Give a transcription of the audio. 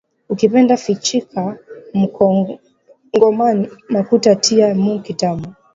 Ukipenda fichika mukongomani makuta tiya mu kitabu